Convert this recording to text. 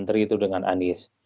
antara itu dengan anies